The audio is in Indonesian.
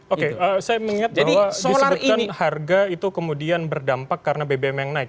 oke saya mengingat bahwa disebutkan harga itu kemudian berdampak karena bbm yang naik